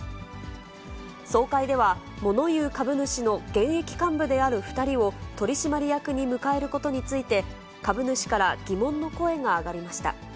総会では、モノ言う株主の現役幹部である２人を取締役に迎えることについて、株主から疑問の声が上がりました。